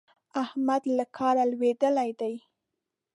احمد له کاره لوېدلی دی.